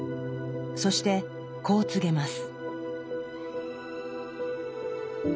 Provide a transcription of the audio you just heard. そしてこう告げます。